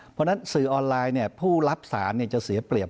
เพราะฉะนั้นสื่อออนไลน์ผู้รับสารจะเสียเปรียบ